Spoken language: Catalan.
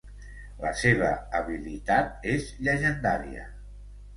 La seva habilitat és llegendària.